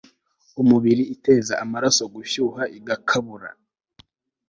umubiri iteza amaraso gushyuha igakabura